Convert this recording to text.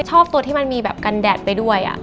ชอบตัวที่มันมีแบบกันแดดไปด้วย